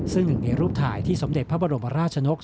ซึ่งหนึ่งในรูปถ่ายที่สมเด็จพระบรมราชนก